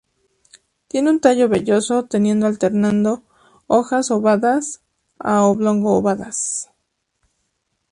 Tiene un tallo velloso, teniendo alternando hojas ovadas a oblongo-ovadas.